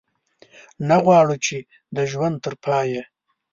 نه غواړو چې د ژوند تر پایه.